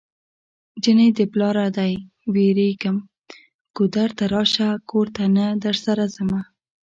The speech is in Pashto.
جنۍ د پلاره دی ويريږم ګودر ته راشه کور ته نه درسره ځمه